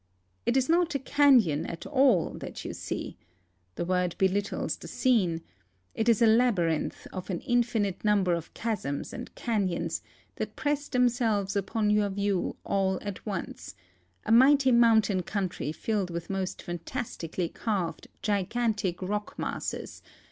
It is not a canon at all that you see — the word belittles the scene; it is a labyrinth of an infinite number of chasms and canons that press themselves upon your view all at once, a mighty mountain country filled witli most fan tastically carved, gigantic, rock masses.